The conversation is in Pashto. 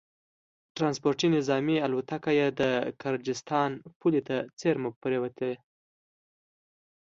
ټرانسپورټي نظامي الوتکه یې د ګرجستان پولې ته څېرمه پرېوتې